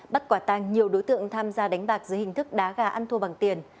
bắt quả tăng nhiều đối tượng tham gia đánh bạc dưới hình thức đá gà ăn thua bằng tiền